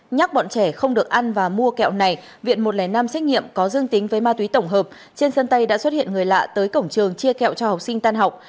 nhắc bọn trẻ không được ăn và mua kẹo này viện một trăm linh năm xét nghiệm có dương tính với ma túy tổng hợp trên sân tay đã xuất hiện người lạ tới cổng trường chia kẹo cho học sinh tan học